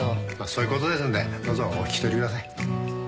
そういうことですんでどうぞお引き取りください。